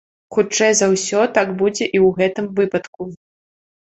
Хутчэй за ўсё, так будзе і ў гэтым выпадку.